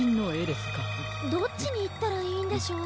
どっちにいったらいいんでしょう。